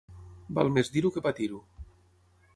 Val més dir-ho que patir-ho.